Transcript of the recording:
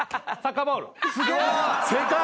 正解。